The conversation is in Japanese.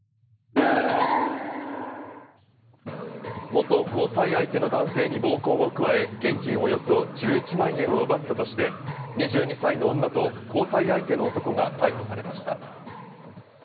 元交際相手の男性に暴行を加え、現金およそ１１万円を奪ったとして、２２歳の女と交際相手の男が逮捕されました。